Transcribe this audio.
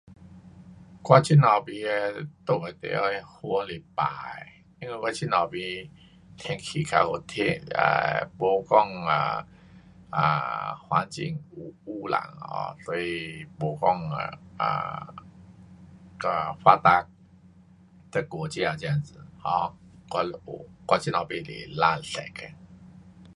我这头边的住的地方那云是白的，因为我这头边天气较有天 um 没讲啊，um um 环境污，污染啊，所以没讲 um 到发达的国家这样子。um 我是有，这头边是蓝色的。